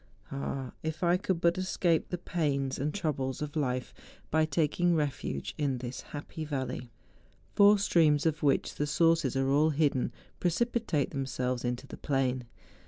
Ah ! if I could but escape the pains and troubles of life by taking refuge in this happy valley. Four streams of which the sources are all hidden, preci¬ pitate themselves into the plain.